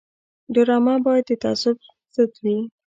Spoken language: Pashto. ډرامه باید د تعصب ضد وي